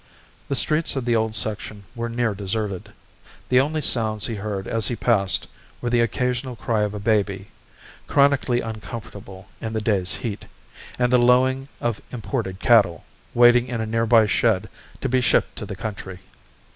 The streets of the old section were near deserted. The only sounds he heard as he passed were the occasional cry of a baby, chronically uncomfortable in the day's heat, and the lowing of imported cattle waiting in a nearby shed to be shipped to the country.